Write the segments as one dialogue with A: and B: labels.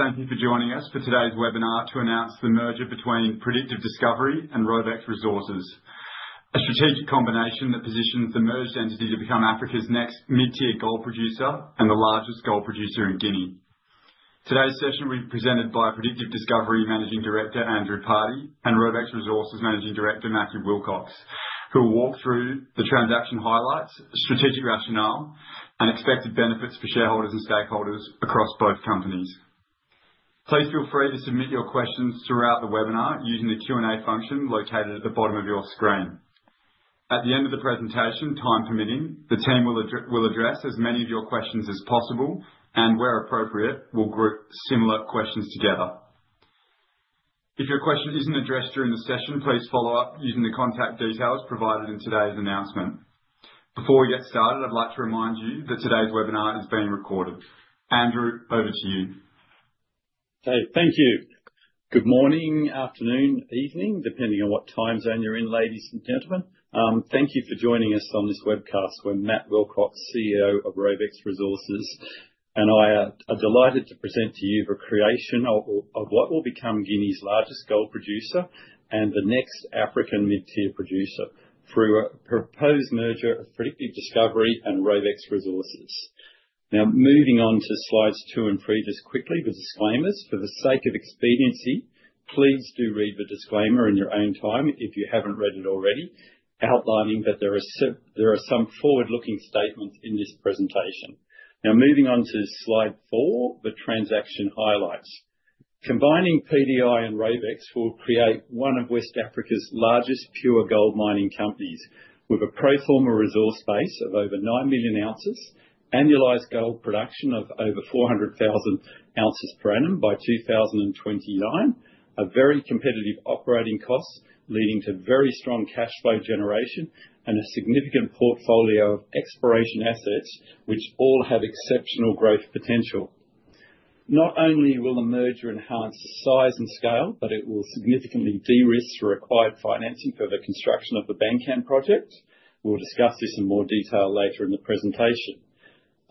A: Thank you for joining us for today's webinar to announce the merger between Predictive Discovery and Robex Resources, a strategic combination that positions the merged entity to become Africa's next mid-tier gold producer and the largest gold producer in Guinea. Today's session will be presented by Predictive Discovery Managing Director Andrew Pardey and Robex Resources Managing Director Matthew Wilcox, who will walk through the transaction highlights, strategic rationale, and expected benefits for shareholders and stakeholders across both companies. Please feel free to submit your questions throughout the webinar using the Q&A function located at the bottom of your screen. At the end of the presentation, time permitting, the team will address as many of your questions as possible and, where appropriate, will group similar questions together. If your question isn't addressed during the session, please follow up using the contact details provided in today's announcement. Before we get started, I'd like to remind you that today's webinar is being recorded. Andrew, over to you.
B: Okay, thank you. Good morning, afternoon, evening, depending on what time zone you're in, ladies and gentlemen. Thank you for joining us on this webcast. We're Matt Wilcox, CEO of Robex Resources, and I am delighted to present to you the creation of what will become Guinea's largest gold producer and the next African mid-tier producer through a proposed merger of Predictive Discovery and Robex Resources. Now, moving on to slides two and three just quickly, the disclaimers. For the sake of expediency, please do read the disclaimer in your own time if you haven't read it already, outlining that there are some forward-looking statements in this presentation. Now, moving on to slide four, the transaction highlights. Combining PDI and Robex will create one of West Africa's largest pure gold mining companies with a pro forma resource base of over nine million ounces, annualized gold production of over 400,000 ounces per annum by 2029, a very competitive operating cost leading to very strong cash flow generation and a significant portfolio of exploration assets, which all have exceptional growth potential. Not only will the merger enhance size and scale, but it will significantly de-risk the required financing for the construction of the Bankan project. We'll discuss this in more detail later in the presentation.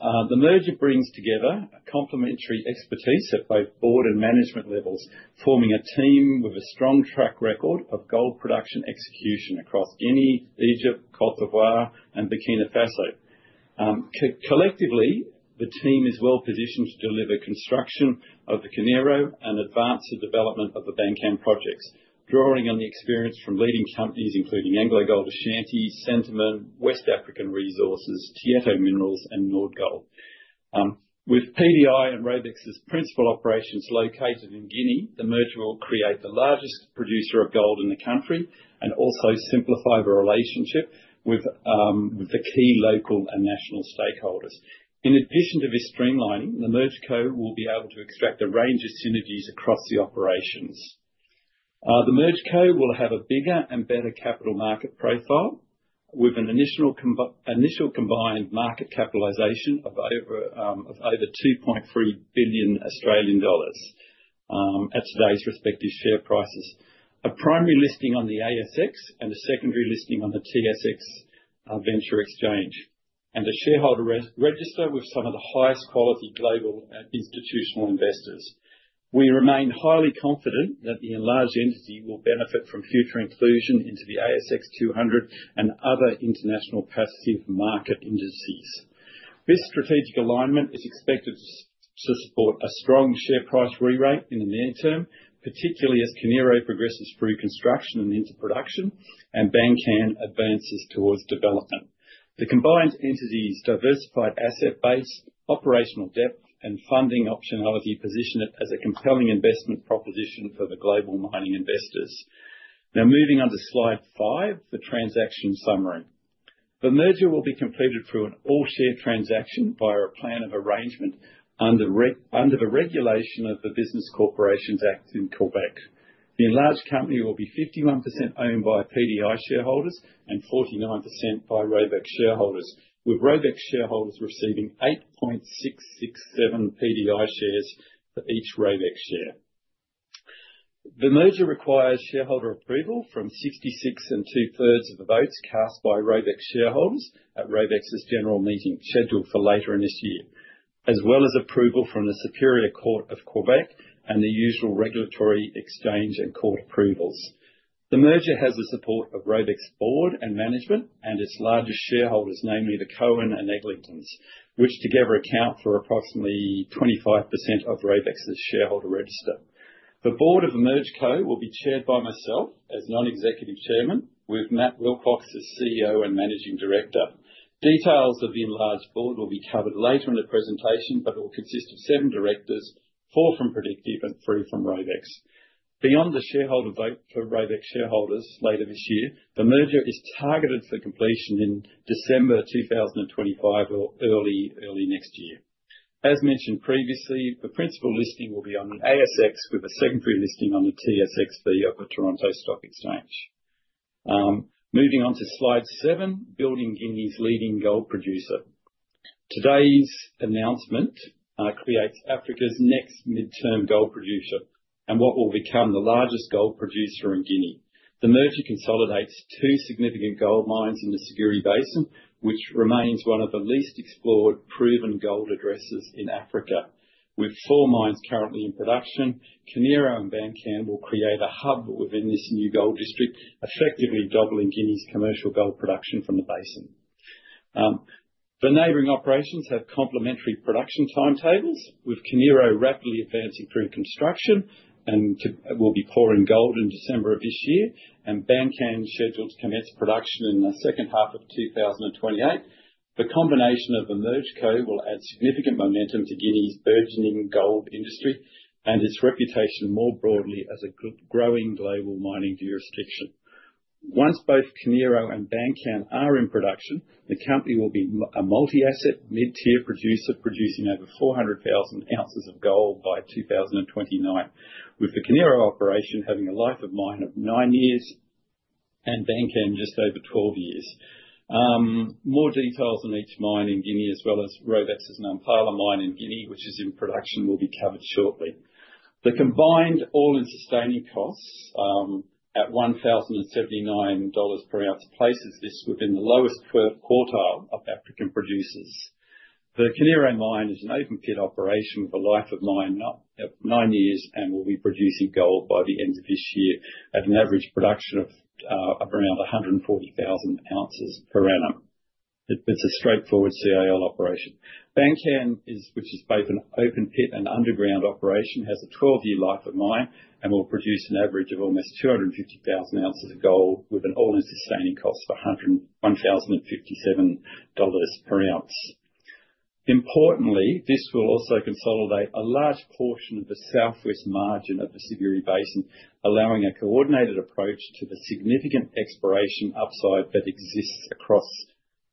B: The merger brings together complementary expertise at both board and management levels, forming a team with a strong track record of gold production execution across Guinea, Egypt, Côte d'Ivoire, and Burkina Faso. Collectively, the team is well positioned to deliver construction of the Kiniero and advance the development of the Bankan projects, drawing on the experience from leading companies including AngloGold Ashanti, Centamin, West African Resources, Tietto Minerals, and Nordgold. With PDI and Robex principal operations located in Guinea, the merger will create the largest producer of gold in the country and also simplify the relationship with the key local and national stakeholders. In addition to this streamlining, the merger will be able to extract a range of synergies across the operations. The merger will have a bigger and better capital market profile with an initial combined market capitalization of over 2.3 billion Australian dollars at today's respective share prices, a primary listing on the ASX and a secondary listing on the TSX Venture Exchange, and a shareholder register with some of the highest quality global institutional investors. We remain highly confident that the enlarged entity will benefit from future inclusion into the ASX 200 and other international passive market indices. This strategic alignment is expected to support a strong share price re-rate in the near term, particularly as Kiniero progresses through construction and into production and Bankan advances towards development. The combined entity's diversified asset base, operational depth, and funding optionality position it as a compelling investment proposition for the global mining investors. Now, moving on to slide five, the transaction summary. The merger will be completed through an all-share transaction via a plan of arrangement under the regulation of the Business Corporations Act in Quebec. The enlarged company will be 51% owned by PDI shareholders and 49% by Robex shareholders, with Robex shareholders receiving 8.667 PDI shares for each Robex share. The merger requires shareholder approval from 66 and two-thirds of the votes cast by Robex shareholders at Robex general meeting scheduled for later in this year, as well as approval from the Superior Court of Quebec and the usual regulatory exchange and court approvals. The merger has the support of Robex board and management and its largest shareholders, namely the Cohen and Eglinton, which together account for approximately 25% of Robex shareholder register. The board of the merger will be chaired by myself as non-executive chairman, with Matt Wilcox as CEO and managing director. Details of the enlarged board will be covered later in the presentation, but it will consist of seven directors, four from Predictive and three from Robex. Beyond the shareholder vote for Robex shareholders later this year, the merger is targeted for completion in December 2025 or early next year. As mentioned previously, the principal listing will be on the ASX with a secondary listing on the TSX-V of the Toronto Stock Exchange. Moving on to slide seven: building Guinea's leading gold producer. Today's announcement creates Africa's next mid-tier gold producer and what will become the largest gold producer in Guinea. The merger consolidates two significant gold mines in the Siguiri Basin, which remains one of the least explored proven gold addresses in Africa. With four mines currently in production, Kiniero and Bankan will create a hub within this new gold district, effectively doubling Guinea's commercial gold production from the basin. The neighboring operations have complementary production timetables, with Kiniero rapidly advancing through construction and will be pouring gold in December of this year, and Bankan is scheduled to commence production in the second half of 2028. The combination of the merger will add significant momentum to Guinea's burgeoning gold industry and its reputation more broadly as a growing global mining jurisdiction. Once both Kiniero and Bankan are in production, the company will be a multi-asset mid-tier producer producing over 400,000 ounces of gold by 2029, with the Kiniero operation having a life of mine of nine years and Bankan just over 12 years. More details on each mine in Guinea, as well as Robex Nampala mine in Guinea, which is in production, will be covered shortly. The combined all-in sustaining costs at $1,079 per ounce place this within the lowest quartile of African producers. The Kiniero mine is an open pit operation with a life of mine of nine years and will be producing gold by the end of this year at an average production of around 140,000 ounces per annum. It's a straightforward CIL operation. Bankan, which is both an open pit and underground operation, has a 12-year life of mine and will produce an average of almost 250,000 ounces of gold with an all-in sustaining cost of $1,057 per ounce. Importantly, this will also consolidate a large portion of the southwest margin of the Siguiri Basin, allowing a coordinated approach to the significant exploration upside that exists across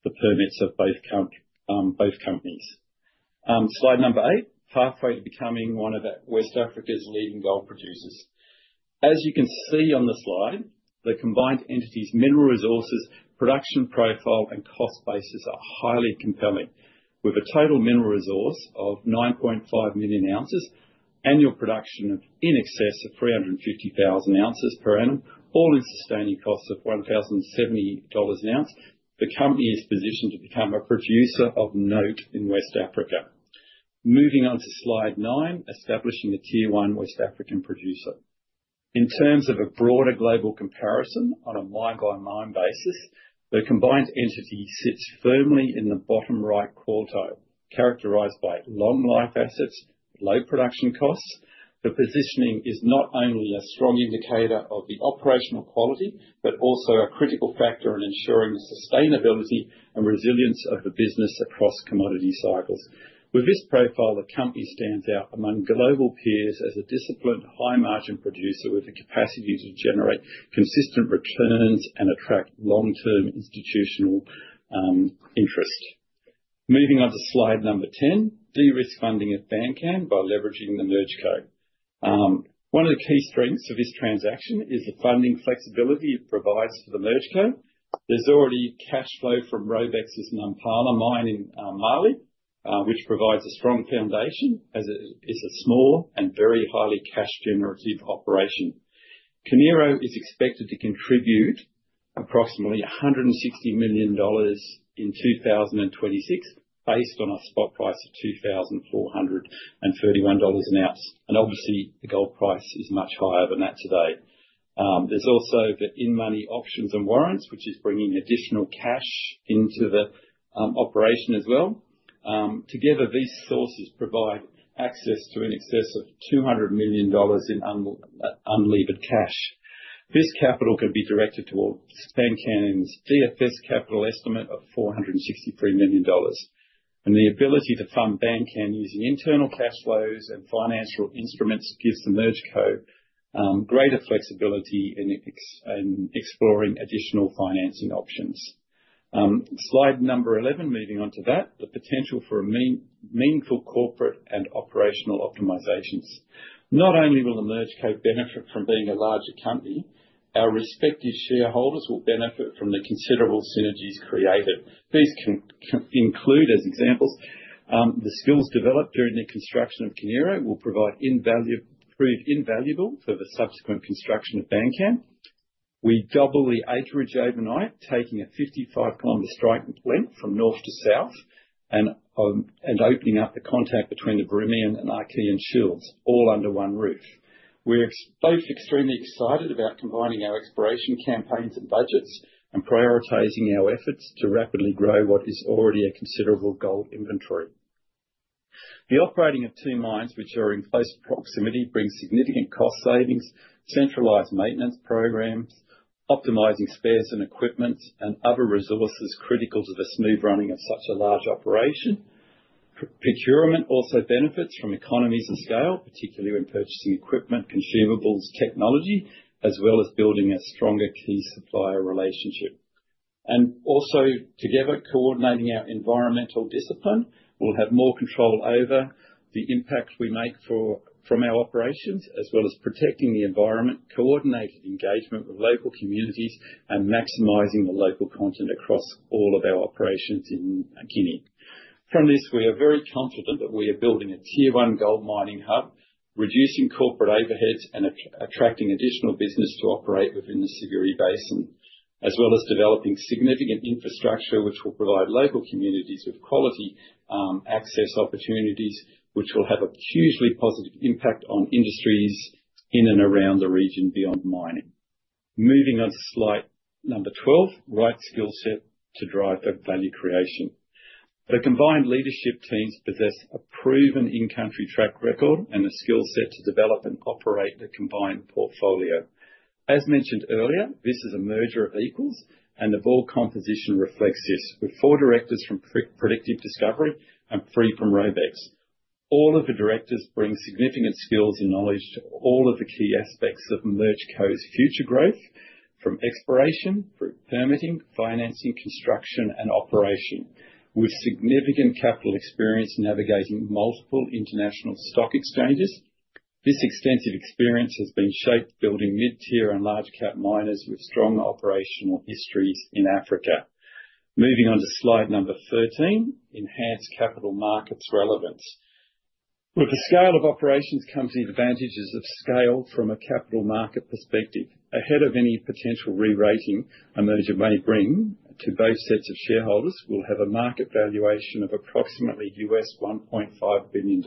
B: the permits of both companies. Slide number eight, pathway to becoming one of West Africa's leading gold producers. As you can see on the slide, the combined entity's mineral resources production profile and cost basis are highly compelling. With a total mineral resource of 9.5 million ounces, annual production of in excess of 350,000 ounces per annum, all in sustaining costs of $1,070 an ounce, the company is positioned to become a producer of note in West Africa. Moving on to slide nine, establishing a tier one West African producer. In terms of a broader global comparison on a mine-by-mine basis, the combined entity sits firmly in the bottom right quartile, characterized by long life assets, low production costs. The positioning is not only a strong indicator of the operational quality, but also a critical factor in ensuring the sustainability and resilience of the business across commodity cycles. With this profile, the company stands out among global peers as a disciplined, high margin producer with the capacity to generate consistent returns and attract long-term institutional interest. Moving on to slide number 10, de-risk funding at Bankan by leveraging the MergerCo. One of the key strengths of this transaction is the funding flexibility it provides for the MergerCo. There's already cash flow from Robex Nampala mine in Mali, which provides a strong foundation as it is a small and very highly cash generative operation. Kiniero is expected to contribute approximately $160 million in 2026 based on a spot price of $2,431 an ounce, and obviously, the gold price is much higher than that today. There's also the in-the-money options and warrants, which is bringing additional cash into the operation as well. Together, these sources provide access to in excess of $200 million in unlevered cash. This capital can be directed towards Bankan's DFS capital estimate of $463 million, and the ability to fund Bankan using internal cash flows and financial instruments gives the MergerCo greater flexibility in exploring additional financing options. Slide number 11, moving on to that, the potential for meaningful corporate and operational optimizations. Not only will the MergerCo benefit from being a larger company, our respective shareholders will benefit from the considerable synergies created. These can include, as examples, the skills developed during the construction of Kiniero will prove invaluable for the subsequent construction of Bankan. We double the aggregate overnight, taking a 55 km strike length from north to south and opening up the contact between the Birimian and Archean shields, all under one roof. We're both extremely excited about combining our exploration campaigns and budgets and prioritizing our efforts to rapidly grow what is already a considerable gold inventory. The operating of two mines, which are in close proximity, brings significant cost savings, centralized maintenance programs, optimizing spares and equipment, and other resources critical to the smooth running of such a large operation. Procurement also benefits from economies of scale, particularly when purchasing equipment, consumables, technology, as well as building a stronger key supplier relationship, and also together, coordinating our environmental discipline, we'll have more control over the impact we make from our operations, as well as protecting the environment, coordinated engagement with local communities, and maximizing the local content across all of our operations in Guinea. From this, we are very confident that we are building a tier one gold mining hub, reducing corporate overheads and attracting additional business to operate within the Siguiri Basin, as well as developing significant infrastructure, which will provide local communities with quality access opportunities, which will have a hugely positive impact on industries in and around the region beyond mining. Moving on to slide number 12, right skill set to drive the value creation. The combined leadership teams possess a proven in-country track record and a skill set to develop and operate the combined portfolio. As mentioned earlier, this is a merger of equals, and the board composition reflects this, with four directors from Predictive Discovery and three from Robex. All of the directors bring significant skills and knowledge to all of the key aspects of MergerCo's future growth, from exploration through permitting, financing, construction, and operation, with significant capital experience navigating multiple international stock exchanges. This extensive experience has been shaped building mid-tier and large-cap miners with strong operational histories in Africa. Moving on to slide number 13, enhanced capital markets relevance. With the scale of operations, comes the advantages of scale from a capital market perspective. Ahead of any potential re-rating, a merger may bring to both sets of shareholders will have a market valuation of approximately $1.5 billion.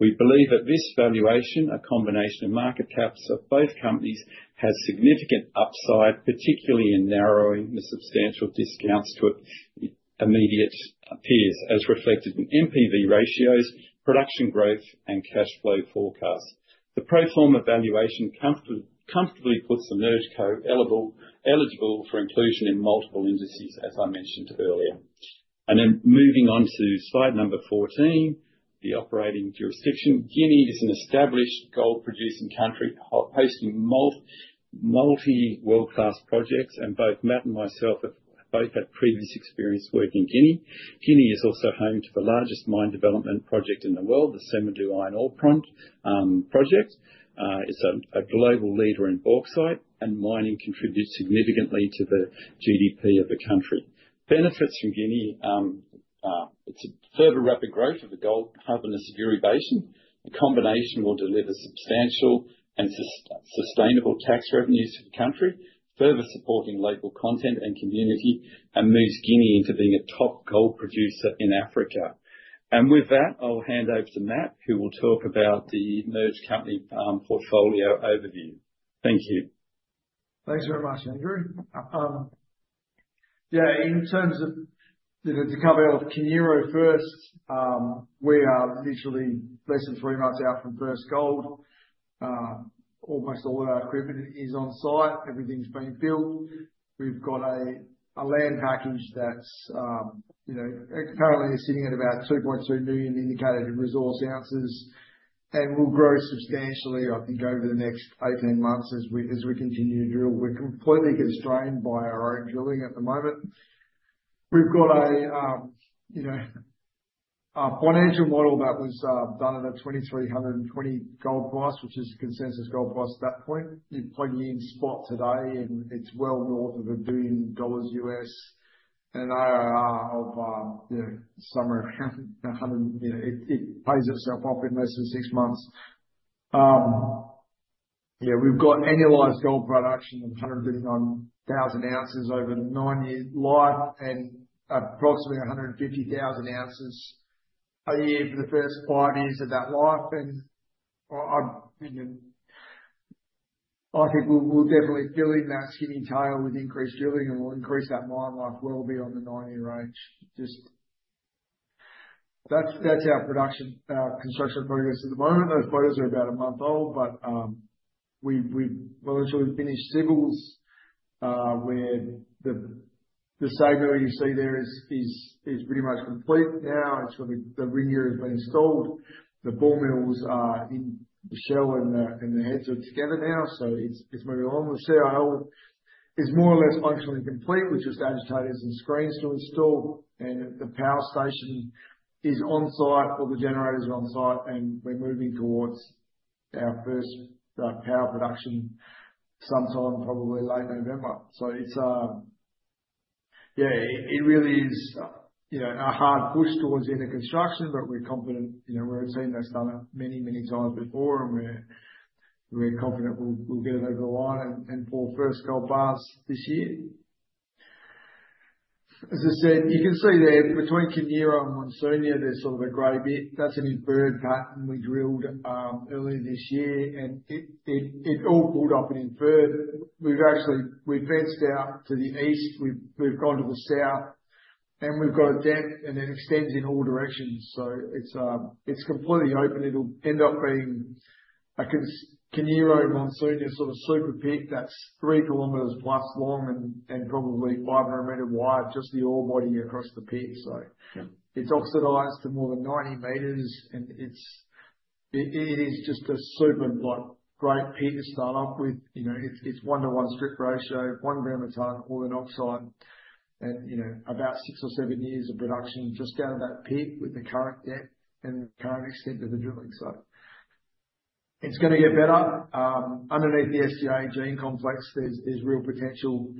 B: We believe at this valuation, a combination of market caps of both companies has significant upside, particularly in narrowing the substantial discounts to immediate peers, as reflected in NPV ratios, production growth, and cash flow forecasts. The pro forma valuation comfortably puts the MergerCo eligible for inclusion in multiple indices, as I mentioned earlier, and then moving on to slide number 14, the operating jurisdiction. Guinea is an established gold-producing country, hosting multi-world-class projects, and both Matt and myself have both had previous experience working in Guinea. Guinea is also home to the largest mine development project in the world, the Simandou iron ore project. It's a global leader in bauxite, and mining contributes significantly to the GDP of the country. Benefits from Guinea. It's a further rapid growth of the gold hub in the Siguiri Basin. The combination will deliver substantial and sustainable tax revenues to the country, further supporting local content and community, and moves Guinea into being a top gold producer in Africa. And with that, I'll hand over to Matt, who will talk about the merger company portfolio overview. Thank you.
C: Thanks very much, Andrew. Yeah, in terms of the coverage of Kiniero first, we are literally less than three months out from first gold. Almost all of our equipment is on site. Everything's been built. We've got a land package that's currently sitting at about 2.2 million indicated resource ounces and will grow substantially, I think, over the next 18 months as we continue to drill. We're completely constrained by our own drilling at the moment. We've got a financial model that was done at a $2,320 gold price, which is the consensus gold price at that point. You plug in spot today, and it's well north of $1 billion and an IRR of somewhere around 100. It pays itself off in less than six months. Yeah, we've got annualized gold production of 139,000 ounces over nine years' life and approximately 150,000 ounces a year for the first five years of that life. And I think we'll definitely fill in that skinny tail with increased drilling, and we'll increase that mine life well beyond the nine-year range. Just that's our production construction progress at the moment. Those photos are about a month old, but we've well until we finish civils, where the SAG mill you see there is pretty much complete now. The ring gear has been installed. The ball mills are in the shell, and the heads are together now, so it's moving along. The CIL is more or less functionally complete with just agitators and screens to install, and the power station is on site, all the generators are on site, and we're moving towards our first power production sometime probably late November. So yeah, it really is a hard push towards any construction, but we're confident. We're a team that's done it many, many times before, and we're confident we'll get it over the line and pull first gold bars this year. As I said, you can see there between Kiniero and Mansounia, there's sort of a gray bit. That's an inferred pattern we drilled earlier this year, and it all pulled up in inferred. We've fenced out to the east. We've gone to the south, and we've got a dent, and it extends in all directions. So it's completely open. It'll end up being a Kiniero-Mansounia sort of super pit that's 3 km+ long and probably 500 meters wide, just the ore body across the pit. So it's oxidized to more than 90 meters, and it is just a super great pit to start off with. It's 1:1 strip ratio, 1 gram per tonne Au oxide, and about six or seven years of production just down that pit with the current depth and current extent of the drilling. So it's going to get better. Underneath the SGA vein complex, there's real potential.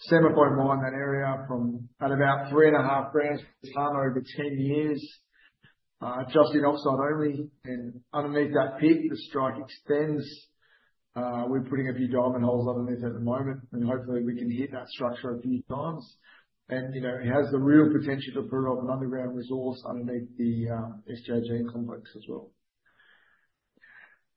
C: Step up our mine that area from about 3.5 grams per tonnes Au over 10 years, just in oxide only, and underneath that pit, the strike extends. We're putting a few diamond holes underneath it at the moment, and hopefully we can hit that structure a few times. And it has the real potential to put it off an underground resource underneath the SGA vein complex as well.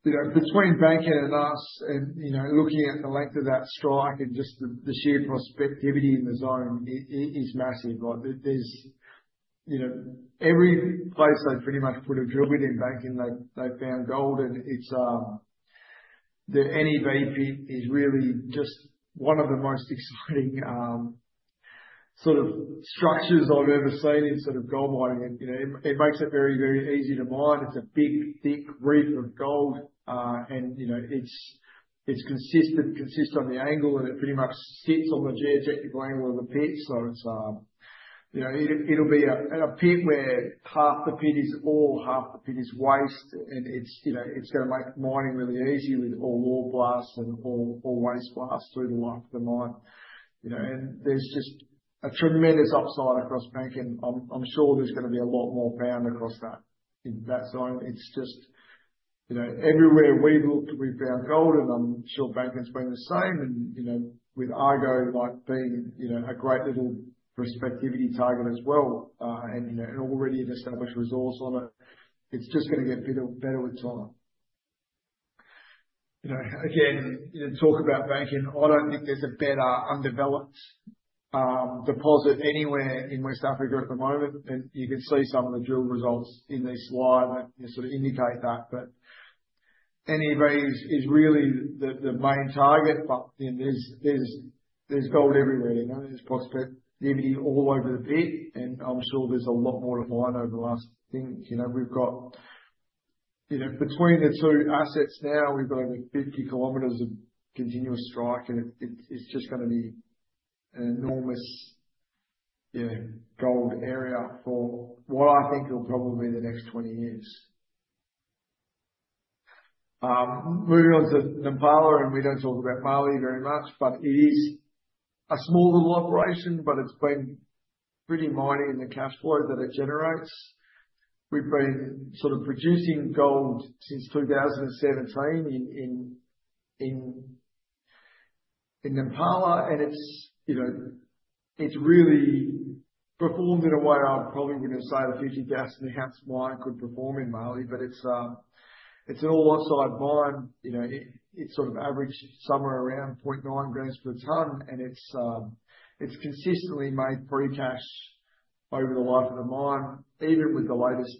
C: Between Bankan and us, and looking at the length of that strike and just the sheer prospectivity in the zone, it is massive. Every place they've pretty much put a drill bit in Bankan, they've found gold, and the NEB pit is really just one of the most exciting sort of structures I've ever seen in sort of gold mining. It makes it very, very easy to mine. It's a big, thick reef of gold, and it's consistent on the angle, and it pretty much sits on the geotechnical angle of the pit. So it'll be a pit where half the pit is ore, half the pit is waste, and it's going to make mining really easy with all ore blasts and all waste blasts through the life of the mine, and there's just a tremendous upside across Bankan. I'm sure there's going to be a lot more found across that zone. It's just everywhere we've looked, we've found gold, and I'm sure Bankan's been the same, and with Argo being a great little prospectivity target as well, and already an established resource on it, it's just going to get better with time. Again, talk about Bankan. I don't think there's a better undeveloped deposit anywhere in West Africa at the moment, and you can see some of the drill results in this slide that sort of indicate that, but NEB is really the main target, but there's gold everywhere. There's prospectivity all over the pit, and I'm sure there's a lot more to mine over the last. Think we've got between the two assets now, we've got over 50 km of continuous strike, and it's just going to be an enormous gold area for what I think will probably be the next 20 years. Moving on to Nampala, and we don't talk about Mali very much, but it is a small little operation, but it's been pretty mighty in the cash flow that it generates. We've been sort of producing gold since 2017 in Nampala, and it's really performed in a way I probably wouldn't have said a 50,000-ounce mine could perform in Mali, but it's an all-oxide mine. It's sort of averaged somewhere around 0.9 grams per tonne, and it's consistently made free cash over the life of the mine, even with the latest,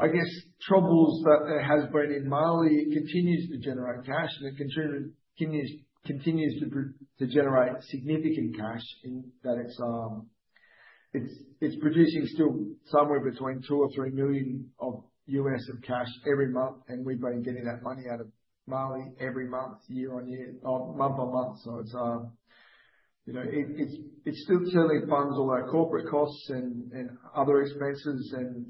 C: I guess, troubles that there has been in Mali. It continues to generate cash, and it continues to generate significant cash in that it's producing still somewhere between $2-$3 million USD cash every month, and we've been getting that money out of Mali every month, year on year, month on month. So it's still certainly funds all our corporate costs and other expenses, and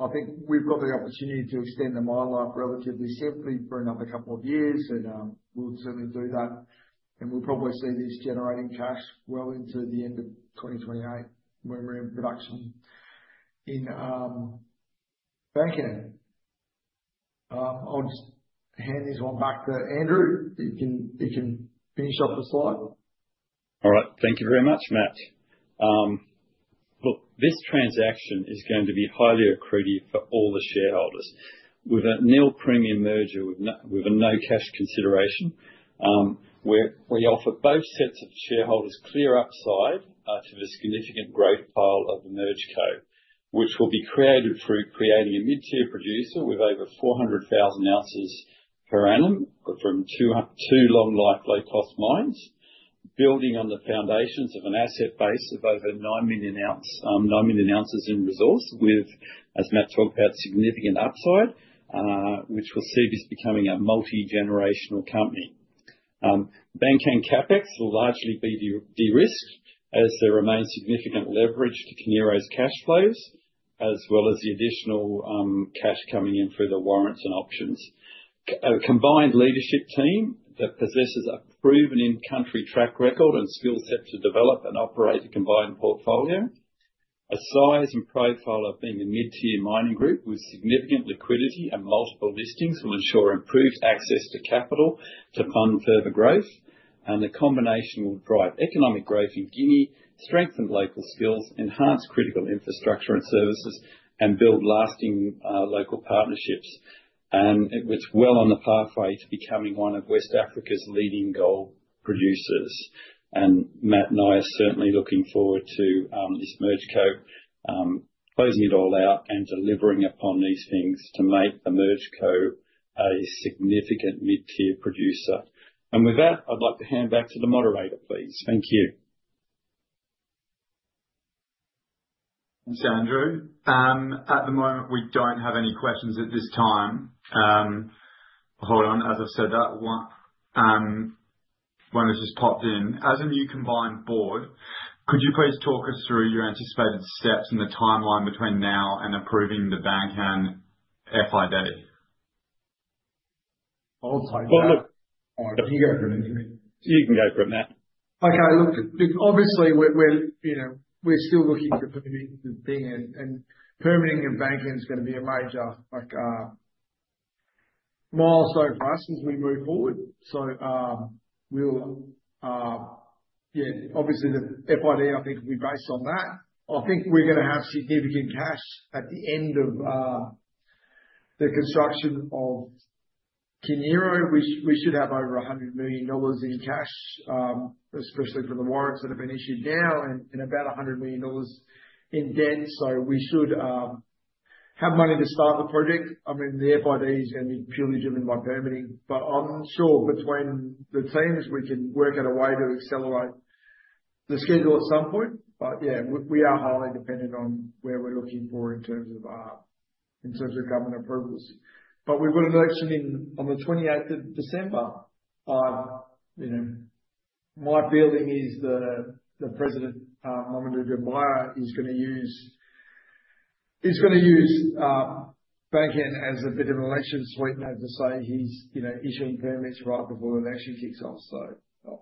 C: I think we've got the opportunity to extend the mine life relatively simply for another couple of years, and we'll certainly do that. And we'll probably see this generating cash well into the end of 2028 when we're in production in Bankan. I'll just hand this one back to Andrew. You can finish off the slide.
B: All right. Thank you very much, Matt. Look, this transaction is going to be highly accretive for all the shareholders. With a nil-premium merger with a no cash consideration, we offer both sets of shareholders clear upside to the significant growth profile of the merged co., which will be created through creating a mid-tier producer with over 400,000 ounces per annum from two long-life low-cost mines, building on the foundations of an asset base of over 9 million ounces in resource, with, as Matt talked about, significant upside, which will see this becoming a multi-generational company. Bankan and CapEx will largely be de-risked as there remains significant leverage to Kiniero's cash flows, as well as the additional cash coming in through the warrants and options. A combined leadership team that possesses a proven in-country track record and skill set to develop and operate a combined portfolio. A size and profile of being a mid-tier mining group with significant liquidity and multiple listings will ensure improved access to capital to fund further growth, and the combination will drive economic growth in Guinea, strengthen local skills, enhance critical infrastructure and services, and build lasting local partnerships, and it's well on the pathway to becoming one of West Africa's leading gold producers, and Matt and I are certainly looking forward to this MergerCo closing it all out and delivering upon these things to make the MergerCo a significant mid-tier producer, and with that, I'd like to hand back to the moderator, please. Thank you.
A: Thanks, Andrew. At the moment, we don't have any questions at this time. Hold on. As I've said, one has just popped in. As a new combined board, could you please talk us through your anticipated steps and the timeline between now and approving the Bankan FID?
C: I'll take that. You can go from there. Okay. Look, obviously, we're still looking for permitting to be in, and permitting in Bankan is going to be a major milestone for us as we move forward. So yeah, obviously, the FID, I think, will be based on that. I think we're going to have significant cash at the end of the construction of Kiniero. We should have over $100 million in cash, especially for the warrants that have been issued now, and about $100 million in debt. So we should have money to start the project. I mean, the FID is going to be purely driven by permitting. But I'm sure between the teams, we can work out a way to accelerate the schedule at some point. But yeah, we are highly dependent on where we're looking for in terms of government approvals. But we've got an election on the 28th of December. My feeling is the president, Mamady Doumbouya, is going to use Bankan as a bit of an election sweetener, to say he's issuing permits right before the election kicks off. So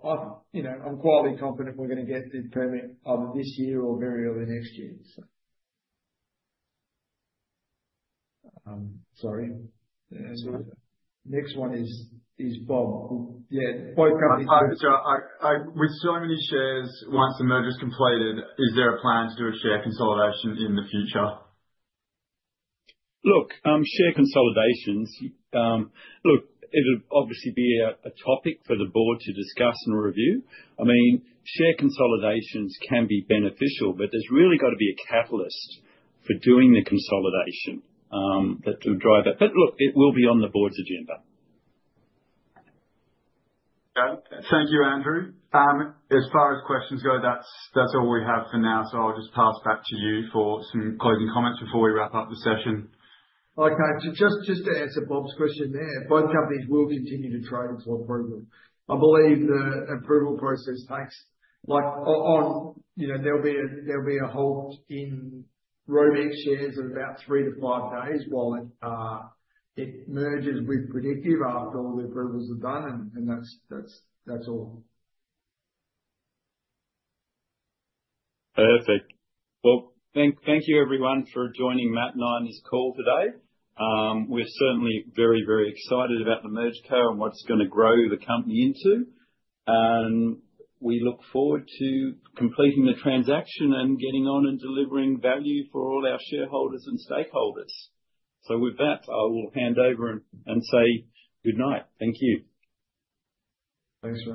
C: I'm quietly confident we're going to get the permit either this year or very early next year.
A: Sorry. Next one is Bob. Yeah, both companies. With so many shares, once the merger's completed, is there a plan to do a share consolidation in the future?
B: Look, share consolidations, look, it'll obviously be a topic for the board to discuss and review. I mean, share consolidations can be beneficial, but there's really got to be a catalyst for doing the consolidation that will drive it. But look, it will be on the board's agenda.
A: Thank you, Andrew. As far as questions go, that's all we have for now. So I'll just pass back to you for some closing comments before we wrap up the session.
C: Okay. Just to answer Bob's question there, both companies will continue to trade until approval. I believe the approval process. There'll be a trading halt of about three to five days while it merges with Predictive after all the approvals are done, and that's all.
B: Perfect. Well, thank you, everyone, for joining Matt and I on this call today. We're certainly very, very excited about the merger and what it's going to grow the company into. And we look forward to completing the transaction and getting on and delivering value for all our shareholders and stakeholders. So with that, I will hand over and say good night. Thank you.
A: Thanks.